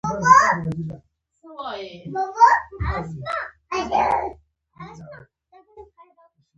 په اتلانتیک حوزه کې شته ګټو او فرصتونو راکاږل.